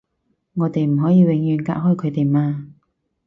我哋唔可以永遠隔開佢哋嘛